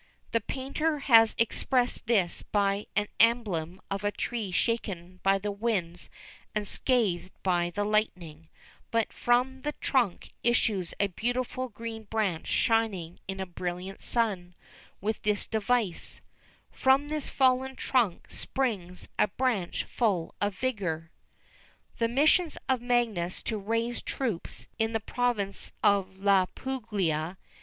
The painter has expressed this by an emblem of a tree shaken by the winds and scathed by the lightning; but from the trunk issues a beautiful green branch shining in a brilliant sun, with this device "From this fallen trunk springs a branch full of vigour." The missions of Magius to raise troops in the province of La Puglia.